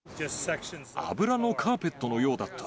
油のカーペットのようだった。